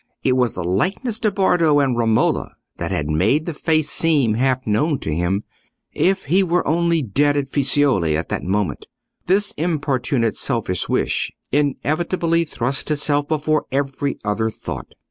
it was the likeness to Bardo and Romola that had made the face seem half known to him. If he were only dead at Fiesole at that moment! This importunate selfish wish inevitably thrust itself before every other thought.